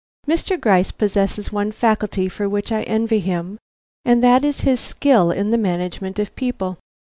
Mr. Gryce possesses one faculty for which I envy him, and that is his skill in the management of people.